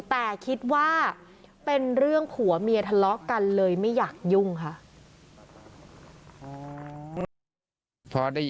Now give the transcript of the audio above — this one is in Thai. แต่คิดว่าเป็นเรื่องผัวเมียทะเลาะกันเลยไม่อยากยุ่งค่ะ